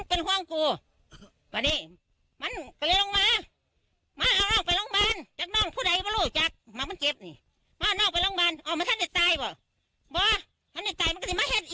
เอาก็ลูกอีก